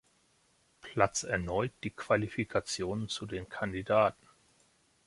Platz erneut die Qualifikationen zu den Kandidaten.